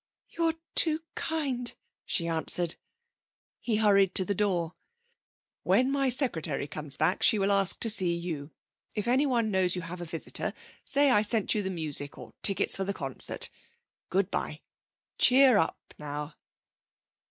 'You're too kind,' she answered. He hurried to the door. 'When my secretary comes back she will ask to see you. If anyone knows you have a visitor say I sent you the music or tickets for the concert. Good bye. Cheer up now!'